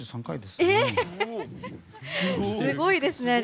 すごいですね。